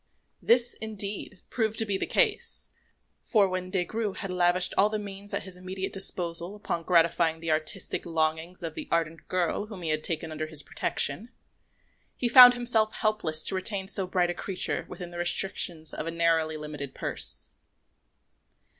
This, indeed, proved to be the case; for when Des Grieux had lavished all the means at his immediate disposal upon gratifying the artistic longings of the ardent girl whom he had taken under his protection, he found himself helpless to retain so bright a creature within the restrictions of a narrowly limited purse.